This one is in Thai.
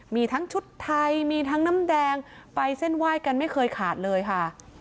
มีทั้งชุดไทยมีทั้งน้ำแดงไปเส้นไหว้กันไม่เคยขาดเลยค่ะ